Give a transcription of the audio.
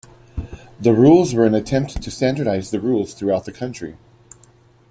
The rules were an attempt to standardize the rules throughout the country.